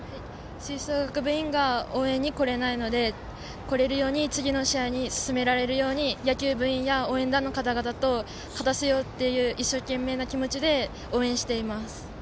吹奏楽部員が応援に来れないので来れるように次の試合に進められるように野球部員や、応援団の方々と勝たせようっていう一生懸命な気持ちで応援しています。